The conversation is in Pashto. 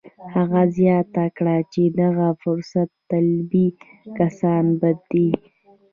هغه زیاته کړه چې دغه فرصت طلبي کسان بد دي